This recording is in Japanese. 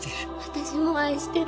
私も愛してる。